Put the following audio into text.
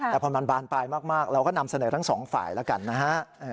แต่พอมันบานปลายมากเราก็นำเสนอทั้งสองฝ่ายแล้วกันนะฮะ